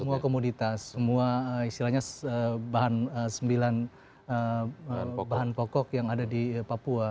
semua komoditas semua istilahnya bahan sembilan bahan pokok yang ada di papua